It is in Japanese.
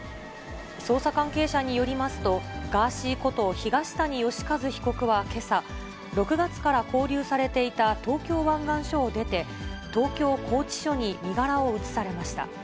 捜査関係者によりますと、ガーシーこと東谷義和被告はけさ、６月から勾留されていた東京湾岸署を出て、東京拘置所に身柄を移されました。